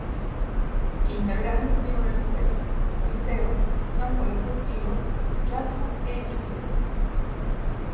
Quinta Grande tiene una escuela, liceo, campo deportivo, plaza e iglesia.